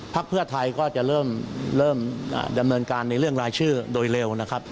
เพื่อไทยก็จะเริ่มดำเนินการในเรื่องรายชื่อโดยเร็วนะครับ